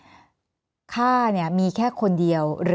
แอนตาซินเยลโรคกระเพาะอาหารท้องอืดจุกเสียดแสบร้อน